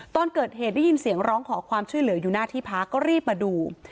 ตอนเกิดเหตุได้ยินเสียงร้องขอความช่วยเหลืออยู่หน้าที่พักก็รีบมาดู